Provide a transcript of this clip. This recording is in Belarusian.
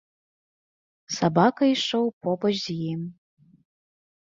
Сабака ішоў побач з ім.